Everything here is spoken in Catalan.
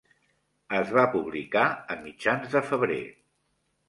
Es va publicar a mitjans de febrer.